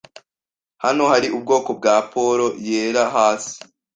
Hano hari ubwoko bwa poro yera hasi.